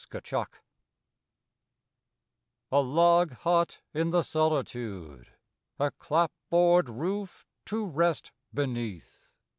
QUIET A log hut in the solitude, A clapboard roof to rest beneath!